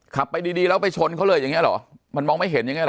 ขับไปดีดีแล้วไปชนเขาเลยอย่างเงี้เหรอมันมองไม่เห็นอย่างเงี้ห